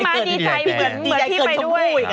มาดีใจเหมือนที่ไปด้วย